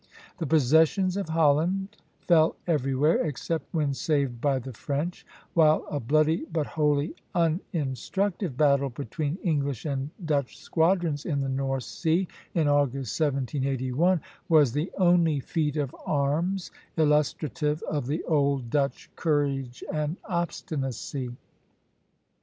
The possessions of Holland fell everywhere, except when saved by the French; while a bloody but wholly uninstructive battle between English and Dutch squadrons in the North Sea, in August, 1781, was the only feat of arms illustrative of the old Dutch courage and obstinacy.